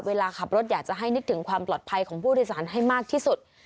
เวลาขับรถอยากจะให้นึกถึงความปลอดภัยของผู้โดยสารให้มากที่สุด